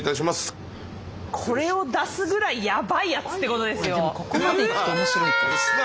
これを出すぐらいやばいやつってことですよ。